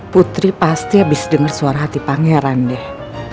putri pasti abis denger suara hati pangeran deh